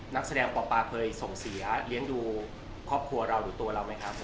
นักแสดงป่อปลาเคยส่งเสียเลี้ยงดูครอบครัวเราหรือตัวเราไหมครับ